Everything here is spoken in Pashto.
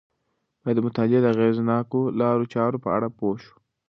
باید د مطالعې د اغیزناکو لارو چارو په اړه پوه شو.